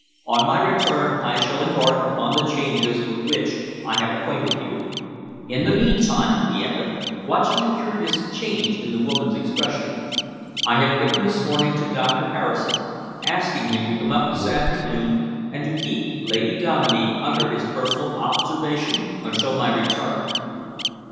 On my return I shall embark upon the changes with which I have acquainted you. In the meantime," he added, watching a curious change in the woman's expression, "I have written this morning to Doctor Harrison, asking him to come up this afternoon and to keep Lady Dominey under his personal observation until my return."